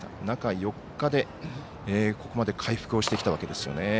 中４日でここまで回復をしてきたわけですよね。